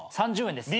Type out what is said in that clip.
３０円です。